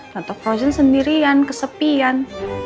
tante frozen sendirian kesepian